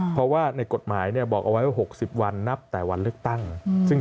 เพราะว่าในกฎหมายบอกเอาไว้ว่า๖๐วันนับแต่วันเลือกตั้ง